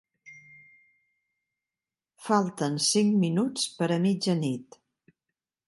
Falten cinc minuts per a mitjanit.